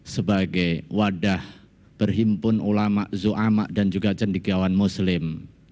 sebagai wadah berhimpun ulama zu'ama dan juga cendikiawan muslim